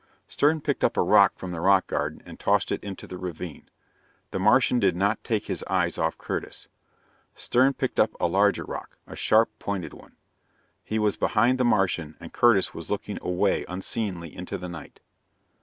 Stern picked up a rock from the rock garden and tossed it into the ravine. The Martian did not take his eyes off Curtis. Stern picked up a larger rock, a sharp, pointed one. He was behind the Martian and Curtis was looking away unseeingly into the night.